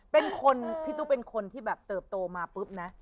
เป็นคนพี่ตุ๊กเป็นคนที่แบบเติบโตมาปุ๊บนะ